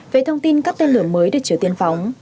về thông tin các tên lửa mới được triều tiên phóng